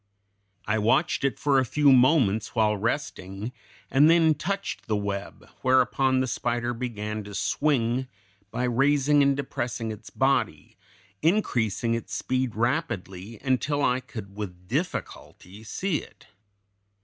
I watched it for a few moments while resting, and then touched the web, whereupon the spider began to swing, by raising and depressing its body, increasing its speed rapidly, until I could with difficulty see it.